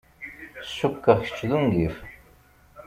Cukkeɣ kečč d ungif.